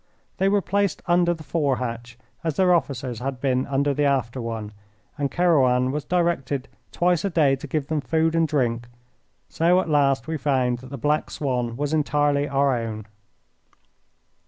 They were placed under the fore hatch, as their officers had been under the after one, and Kerouan was directed twice a day to give them food and drink. So at last we found that the Black Swan was entirely our own.